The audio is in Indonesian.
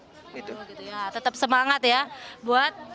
oh gitu ya tetap semangat ya buat